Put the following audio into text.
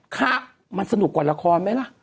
คะมันสนุกกว่าละครไหมล่ะ